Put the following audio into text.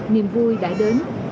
niềm vui đã đến